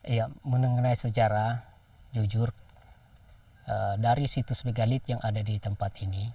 ya mengenai sejarah jujur dari situs megalit yang ada di tempat ini